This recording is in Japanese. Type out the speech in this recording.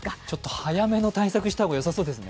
早めの対策をした方がよさそうですね。